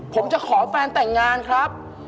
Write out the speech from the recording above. ผมจะขอแฟนแต่งงานครับ